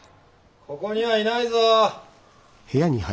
・ここにはいないぞ！